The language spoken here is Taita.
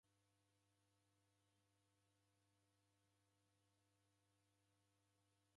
Ihi bahari yeka na nguluma pacha.